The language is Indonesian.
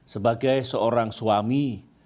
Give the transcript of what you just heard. sebagai seorang suami